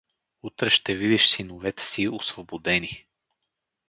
— Утре ще видиш синовете си освободени.